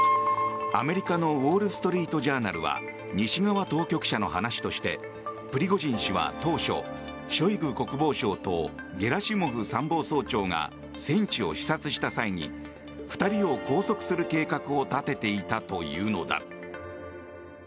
アメリカのウォール・ストリート・ジャーナルは西側当局者の話としてプリゴジン氏は当初ショイグ国防相とゲラシモフ参謀総長が戦地を視察した際に２人を拘束する計画を立てていたというのだ。